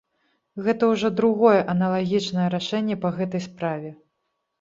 Гэта ўжо другое аналагічнае рашэнне па гэтай справе.